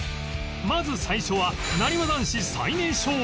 まず最初はなにわ男子最年少長尾